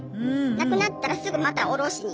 なくなったらすぐまたおろしに行って。